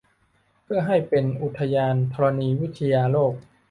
เพื่อให้เป็นอุทยานธรณีวิทยาโลก